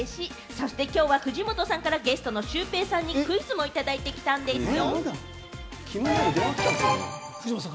そしてきょうは藤本さんからゲストのシュウペイくんにクイズもいただいてきたんだよ！